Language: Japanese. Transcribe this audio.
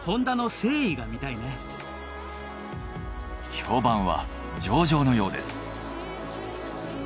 評判は上々のようです。